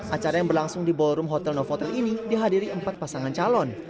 acara yang berlangsung di ballroom hotel novotel ini dihadiri empat pasangan calon